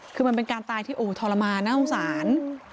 คือมันเป็นการตายที่โอ้ทรมานน่าสงสาร